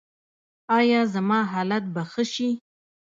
ایا زما حالت به ښه شي؟